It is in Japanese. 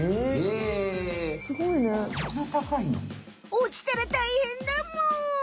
おちたらたいへんだむ。